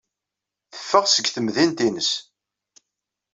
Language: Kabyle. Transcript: Teffeɣ seg temdint-nnes.